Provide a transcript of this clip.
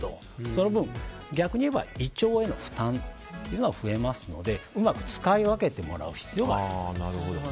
その分、逆にいえば胃腸への負担というのは増えますのでうまく使い分けてもらう必要があります。